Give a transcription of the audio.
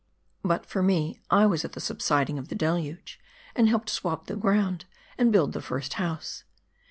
But for me, I was at the subsiding of the Deluge, and helped swab the ground, and build the first house.